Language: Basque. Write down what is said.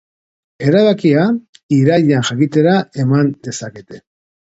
Erabakia irailean jakitera eman dezakete.